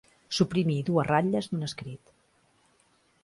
Suprimir dues ratlles d'un escrit.